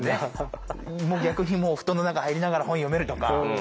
逆にもう布団の中入りながら本読めるとか。